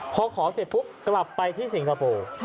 พอขอเสร็จปุ๊บกลับไปที่สิงคโปร์